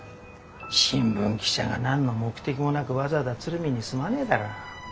新聞記者が何の目的もなくわざわざ鶴見に住まねえだろ。